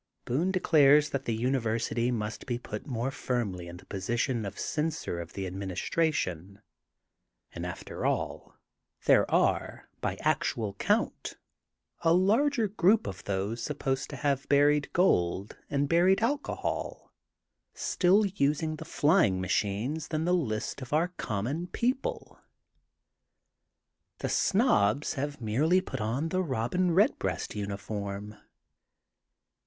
Boone declares that the University must be put more firmly in the position of censor of the administration, and after all there are, by actual count, a larger group of those, supposed to have buried gold and buried alcohol, still using flying ma 164 THE GOLDEN BOOK OF SPRINGFIELD chines than the Kst of our common people. '' The Snobs have merely put on the Robin Redbreast nnif orm.